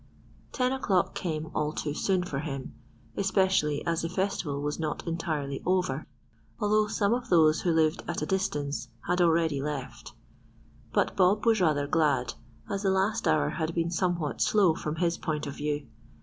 Ten o'clock came all too soon for him, especially as the festival was not entirely over, although some of those who lived at a distance had already left; but Bob was rather glad, as the last hour had been somewhat slow, from his point of view.